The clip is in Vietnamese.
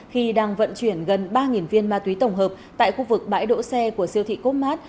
khi đang vận chuyển gần ba viên ma túy tổng hợp tại khu vực bãi đỗ xe của siêu thị cốt mát